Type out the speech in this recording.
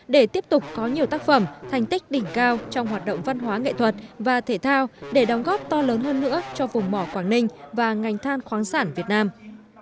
để tiếp tục có nhiều tác phẩm thành tích đỉnh cao trong hoạt động văn hóa nghệ thuật và thể thao để đóng góp to lớn hơn nữa cho vùng mỏ quảng ninh và ngành than khoáng sản việt nam